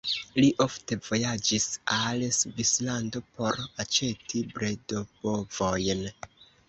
Li ofte vojaĝis al Svislando por aĉeti bredbovojn.